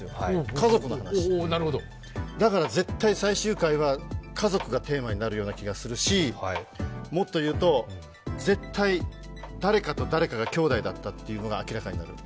家族の話で、だから絶対最終回は家族がテーマになるような気がするしもっと言うと、絶対誰かと誰かが兄弟だったっていうのが明らかになる。